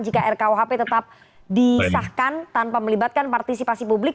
jika rkuhp tetap disahkan tanpa melibatkan partisipasi publik